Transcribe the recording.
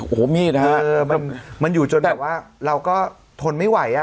โอ้โหมีดฮะมันอยู่จนแบบว่าเราก็ทนไม่ไหวอ่ะ